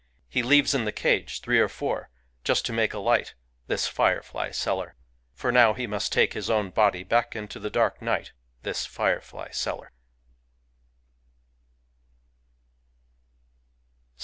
He leaves in the cage three or four, just to make a light, — this firefly seller. For now he must take his own body back into the dark night, — this firefly seller.